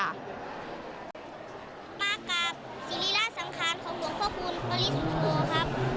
มากราบศิริราชสังขารของหลวงพ่อคูณปริสุทธโธครับ